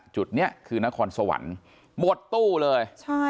จุดนี้คือนครสวรรค์หมดตู้เลย